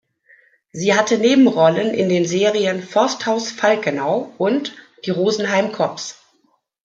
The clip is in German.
Sie hatte Nebenrollen in den Serien "Forsthaus Falkenau" und "Die Rosenheim-Cops".